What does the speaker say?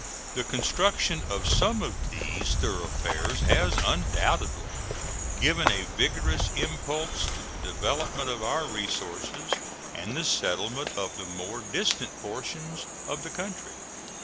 The construction of some of these thoroughfares has undoubtedly given a vigorous impulse to the development of our resources and the settlement of the more distant portions of the country.